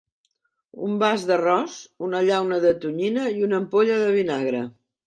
Un vas d'arròs, una llauna de tonyina i una ampolla de vinagre.